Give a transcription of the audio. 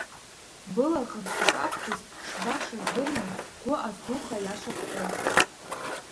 Былаӷырӡ икабҭәаз шбашаз дырны, бгәы аздуха аиаша бҳәоит.